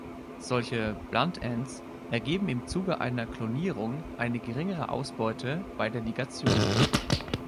Solche "blunt ends" ergeben im Zuge einer Klonierung eine geringere Ausbeute bei der Ligation.